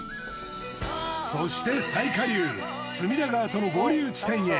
そして最下流隅田川との合流地点へ。